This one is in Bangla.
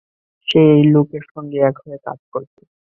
সে এই লোকের সংগে এক হয়ে কাজ করছে।